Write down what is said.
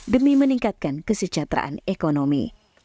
demi meningkatkan kesejahteraan ekonomi